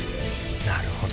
なるほど。